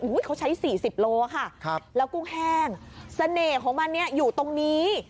อุ๊ยเขาใช้๔๐โลกรัมค่ะแล้วกุ้งแห้งสเน่ของมันอยู่ตรงนี้